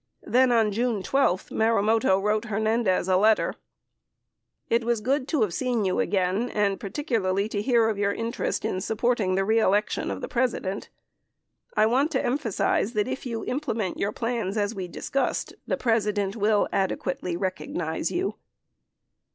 Then, on June 12, Marumoto wrote Hernandez a letter: It was good to have seen you again and particularly to hear of your interest in supporting the re election of the President. I want to emphasize that if you implement your plans as we discussed, the President will adequately recognize you.